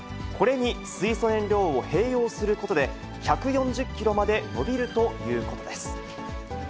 これに水素燃料を併用することで、１４０キロまで伸びるということです。